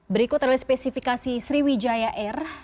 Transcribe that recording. berikut adalah spesifikasi sriwijaya air